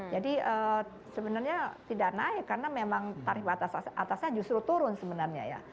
jadi sebenarnya tidak naik karena memang tarif batas atasnya justru turun sebenarnya ya